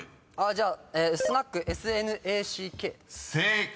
じゃあ「スナック」「ＳＮＡＣＫ」［正解！